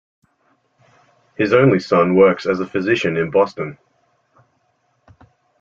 His only son works as a physician in Boston.